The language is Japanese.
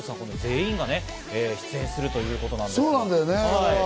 全員が出演するということなんです。